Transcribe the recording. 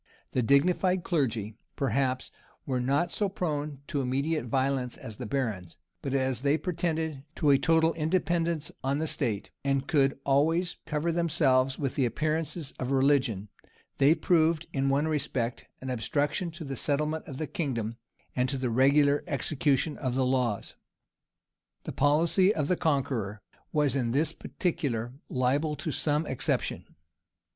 The dignified clergy, perhaps, were not so prone to immediate violence as the barons; but as they pretended to a total independence on the state, and could always cover themselves with the appearances of religion, they proved, in one respect, an obstruction to the settlement of the kingdom, and to the regular execution of the laws. The policy of the Conqueror was in this particular liable to some exception.